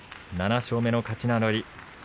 ７勝目の勝ち名乗り。